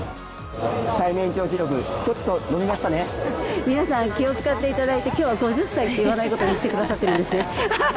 最年長記録、ちょっと伸びま皆さん、気を遣っていただいて、きょうは５０歳って言わないことにしてくださってるんですよ。